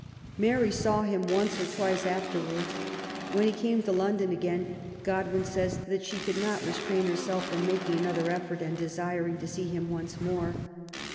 Mary saw him once or twice afterwards. When he came to London again, Godwin says that *' she could not restrain herself from making another effort, and desiring to see him once more.